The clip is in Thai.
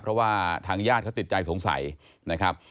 เพราะว่าทางญาติเขาติดใจสงสัยนะครับ